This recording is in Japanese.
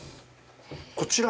こちら？